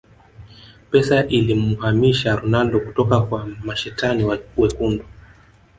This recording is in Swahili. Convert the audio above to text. Pesa ilimuhamisha Ronaldo kutoka kwa mashetani wekundu